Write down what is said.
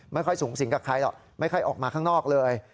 ไม่ค่อยสูงสิงกับใครหรอกไม่ค่อยออกมาข้างนอกเลย